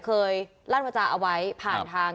เคยล่านวจาเอาไว้ผ่านทาง